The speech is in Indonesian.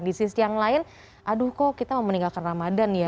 di sisi yang lain aduh kok kita mau meninggalkan ramadan ya